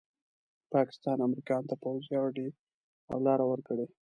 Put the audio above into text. پاکستان امریکا ته پوځي هډې او لاره ورکړه.